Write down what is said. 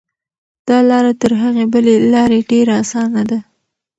دا لاره تر هغې بلې لارې ډېره اسانه ده.